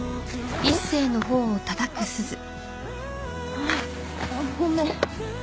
あっごめん。